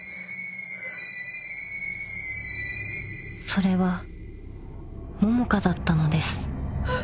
［それは桃香だったのです］